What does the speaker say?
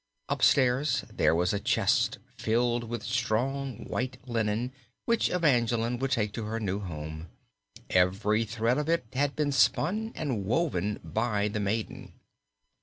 Up stairs there was a chest filled with strong white linen which Evangeline would take to her new home. Every thread of it had been spun and woven by the maiden.